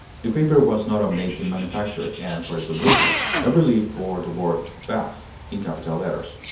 The paper was not of native manufacture, and for a good reason, Every leaf bore the word BATH in capital letters.